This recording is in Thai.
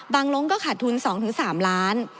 ลงก็ขาดทุน๒๓ล้าน